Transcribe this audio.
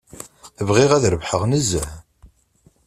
Bɣiɣ ad rebḥeɣ nezzeh.